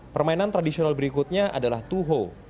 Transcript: permainan tradisional berikutnya adalah tuhho